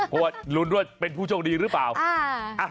เพราะว่ารุ่นรวดเป็นผู้ชมดีหรือเปล่า